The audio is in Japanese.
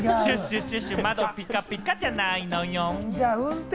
シュシュ、窓ピカピカじゃないのよ。